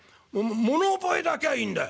物覚えだけはいいんだよ。